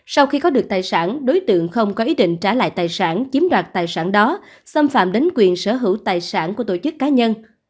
sau khi có được tài sản đối tượng không có ý định trả lại tài sản chiếm đoạt tài sản đó xâm phạm đến quyền sở hữu tài sản của tổ chức cá nhân